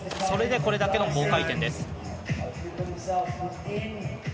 それで、これだけの高回転です。